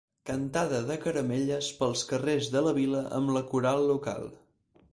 Cantada de caramelles pels carrers de la vila amb la coral local.